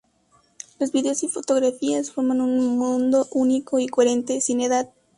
Los videos y fotografías forman un mundo único y coherente, sin edad.